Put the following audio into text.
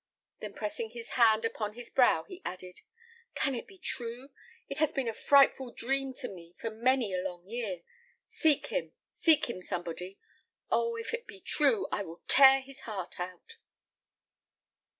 Then pressing his hand upon his brow, he added, "Can it be true? It has been a frightful dream to me for many a long year. Seek him, seek him, somebody! Oh! if it be true, I will tear his heart out!"